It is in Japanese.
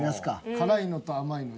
辛いのと甘いので。